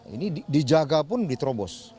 ini dijaga pun diterobos